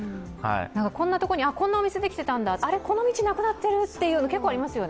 こんなところにこんなお店できてたんだ、あれ、この道なくなってるっていうの結構ありますよね。